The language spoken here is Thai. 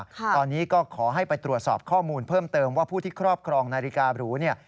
ตอนนี้ก็ขอให้ไปตรวจสอบข้อมูลเพิ่มเติมว่าผู้ที่ครอบครองนาฬิกาบรูเนี่ย